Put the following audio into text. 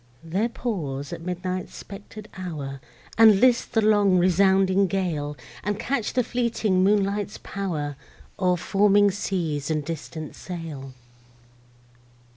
There pause at midnight's spectred hour, And list the long resounding gale; And catch the fleeting moonlight's pow'r, O'er foaming seas and distant sail.